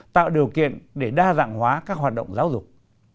tạo điều kiện để đa dạng hóa các hoạt động giáo dục